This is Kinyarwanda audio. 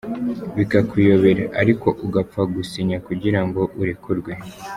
bikakuyobera ariko ugapfa gusinya kugira ngo urekurwe.